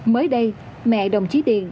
mới đây mẹ đồng chí điền